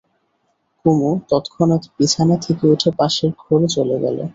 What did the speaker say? কুমু তংক্ষণাৎ বিছানা থেকে উঠে পাশের ঘরে চলে গেল।